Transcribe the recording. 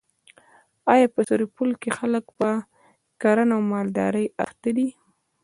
په سرپل کي خلک په کرهڼه او مالدري اخته دي.